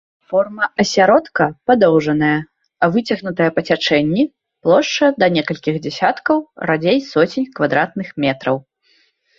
Форма асяродка падоўжаная, выцягнутая па цячэнні, плошча да некалькіх дзесяткаў, радзей соцень квадратных метраў.